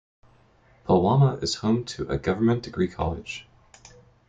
Pulwama is home to a Government Degree College.